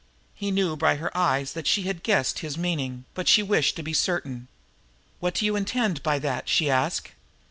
He knew by her eyes that she half guessed his meaning, but she wished to be certain. "What do you intend by that?" she asked.